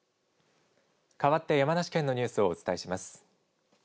かわって山梨県のニュースをお伝えします。